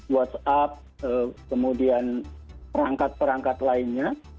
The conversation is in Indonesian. whatsapp kemudian perangkat perangkat lainnya